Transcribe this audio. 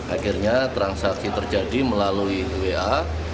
akhirnya transaksi terjadi melalui wa